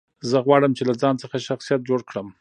زه غواړم، چي له ځان څخه شخصیت جوړ کړم.